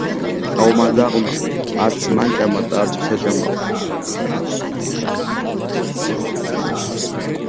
ავმა ძაღლმა არც მან ჭამა და არც სხვას აჭამაო